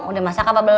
si gemoy udah rules